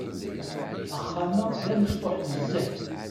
Axxam-a d amecṭuḥ nezzeh.